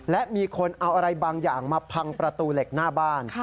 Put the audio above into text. และมีคนเอาอะไรบางอย่างมาพังประตูเหล็กหน้าบ้าน